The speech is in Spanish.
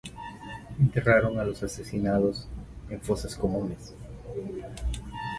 Enterraron a los asesinados en fosas comunes.